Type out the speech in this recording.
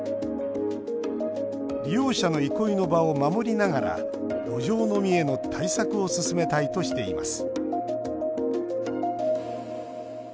利用者の憩いの場を守りながら路上飲みへの対策を進めたいとしています